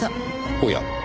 おや。